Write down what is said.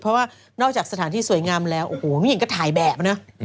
เพราะว่านอกจากสถานที่สวยงามแล้วโอ้โหไม่เห็นก็ถ่ายแบบนะ